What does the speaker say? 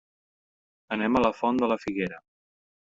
Anem a la Font de la Figuera.